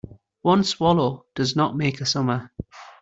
One swallow does not make a summer.